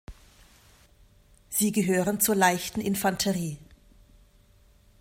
Sie gehören zur leichten Infanterie.